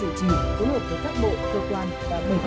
thần chiên thành lập nhóm công tác tối hợp với phía trung quốc